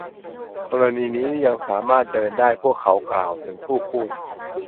กรณีนี้ ยังสามารถเดินได้ พวกเขากล่าวถึงผู้พูด